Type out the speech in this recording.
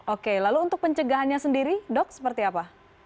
oke lalu untuk pencegahannya sendiri dok seperti apa